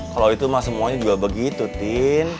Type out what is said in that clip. kalau itu mah semuanya juga begitu tin